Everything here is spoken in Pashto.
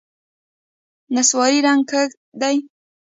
نسواري رنګ کږ دی.